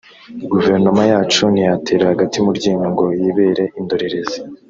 Guverinoma yacu ntiyaterera agati mu ryinyo ngo yibere indorerezi